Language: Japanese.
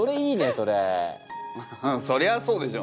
そりゃあそうでしょ。